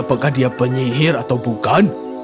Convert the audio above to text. apakah dia penyihir atau bukan